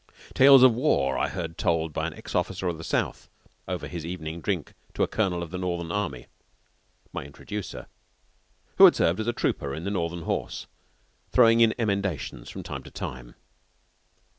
Tales of the war I heard told by an ex officer of the South over his evening drink to a colonel of the Northern army, my introducer, who had served as a trooper in the Northern Horse, throwing in emendations from time to time.